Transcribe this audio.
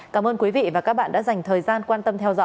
cảm ơn quý vị và các bạn đã dành thời gian quan tâm